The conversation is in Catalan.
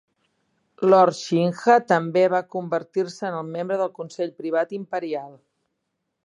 Lord Sinha també va convertir-se en membre del Consell Privat Imperial.